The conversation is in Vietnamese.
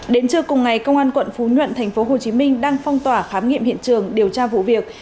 đến trưa cùng ngày công an quận phú nhuận tp hcm đang phong tỏa khám nghiệm hiện trường điều tra vụ việc